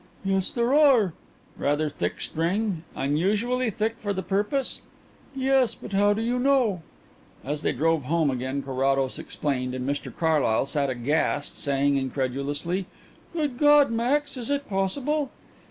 "Yes, there are." "Rather thick string unusually thick for the purpose?" "Yes; but how do you know?" As they drove home again Carrados explained, and Mr Carlyle sat aghast, saying incredulously: "Good God, Max, is it possible?"